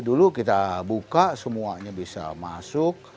dulu kita buka semuanya bisa masuk